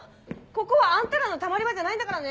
ここはあんたらのたまり場じゃないんだからね！